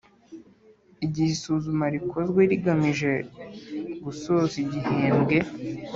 igihe isuzuma rikozwe rigamije gusoza igihembwe,